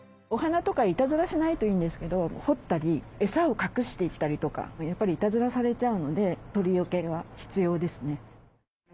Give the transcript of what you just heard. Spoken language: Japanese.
お花とかいたずらしないといいんですけど掘ったり餌を隠していったりとかやっぱりいたずらされちゃうので鳥よけは必要ですね。